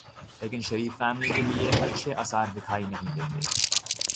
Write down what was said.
لیکن شریف فیملی کے لیے اچھے آثار دکھائی نہیں دیتے۔